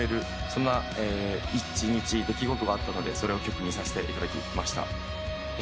そんな出来事があったのでそれを曲にさせていただきました。